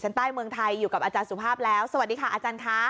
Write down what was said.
ใต้เมืองไทยอยู่กับอาจารย์สุภาพแล้วสวัสดีค่ะอาจารย์ค่ะ